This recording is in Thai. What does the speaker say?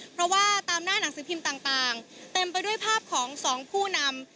เพราะว่าตามหน้าหนังสือพิมพ์ต่างเต็มไปด้วยภาพของสองผู้นำ